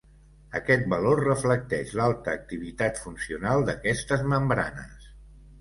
Aquest valor reflecteix l'alta activitat funcional d'aquestes membranes.